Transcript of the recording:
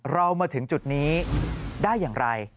เรามาถึงจุดนี้ได้อย่างไร